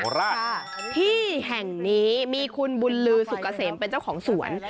ราชค่ะที่แห่งนี้มีคุณบุญลือสุกเกษมเป็นเจ้าของสวน